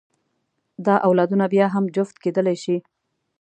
دا اولادونه بیا هم جفت کېدلی شي.